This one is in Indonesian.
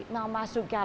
mereka mau masuk galeri